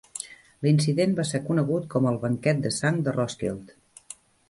L'incident va ser conegut com el "banquet de sang de Roskilde".